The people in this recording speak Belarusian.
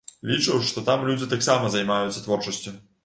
Лічу, што там людзі таксама займаюцца творчасцю.